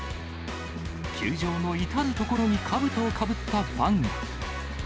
球場の至る所にかぶとをかぶったファンが。